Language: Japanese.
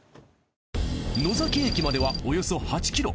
野崎駅まではおよそ８ｋｍ。